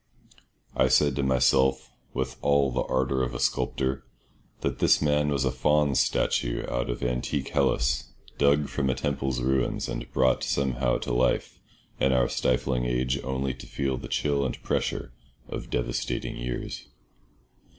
I said to myself, with all the ardour of a sculptor, that this man was a faun's statue out of antique Hellas, dug from a temple's ruins and brought somehow to life in our stifling age only to feel the chill and pressure of devastating years.